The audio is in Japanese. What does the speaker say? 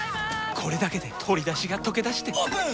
これだけで鶏だしがとけだしてオープン！